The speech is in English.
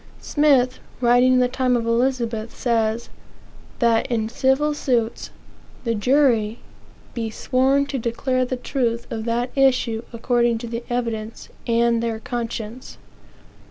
Smith, writing in the time of Elizabeth, says that, in civil suits, the jury "be sworn to declare the truth of that issue according to the evidence, and their conscience."